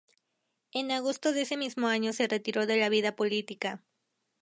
En agosto de ese mismo año se retiró de la vida política.